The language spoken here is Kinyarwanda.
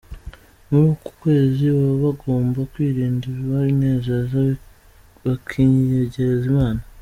Muri uku kwezi baba bagomba kwirinda ibibanezeza bakiyegereza Imana.